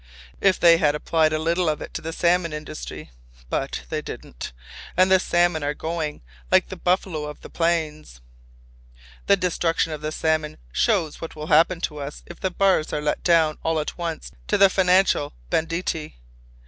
If they had applied a little of it to the salmon industry—but they didn't. And the salmon are going, like the buffalo of the plains. "The destruction of the salmon shows what will happen to us if the bars are let down all at once to the financial banditti.